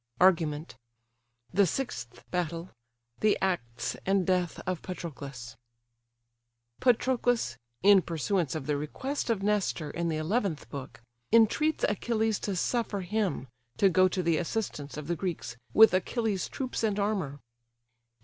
ARGUMENT THE SIXTH BATTLE, THE ACTS AND DEATH OF PATROCLUS Patroclus (in pursuance of the request of Nestor in the eleventh book) entreats Achilles to suffer him to go to the assistance of the Greeks with Achilles' troops and armour.